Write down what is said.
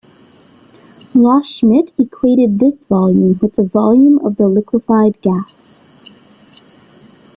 Loschmidt equated this volume with the volume of the liquified gas.